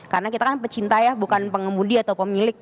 karena kita kan pecinta ya bukan pengemudi atau pemilik